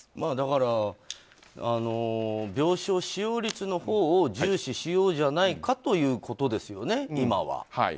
だから、病床使用率のほうを重視しようじゃないかということですよね、今は。